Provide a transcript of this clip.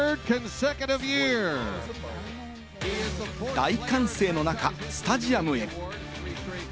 大歓声の中、スタジアムへ。